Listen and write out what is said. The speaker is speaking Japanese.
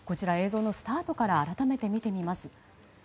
映像のスタートから改めて見てみます。